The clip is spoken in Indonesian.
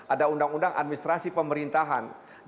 ada undang undang administrasi pemerintahan